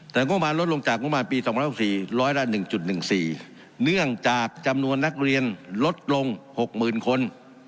แต่งบมาลดลงจากงบประมาณปี๒๑๔ร้อยละ๑๑๔เนื่องจากจำนวนนักเรียนลดลง๖๐๐๐คน